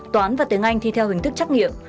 toán và tiếng anh thi theo hình thức trắc nghiệm